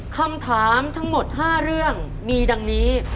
คำถามทั้งหมด๕เรื่องมีดังนี้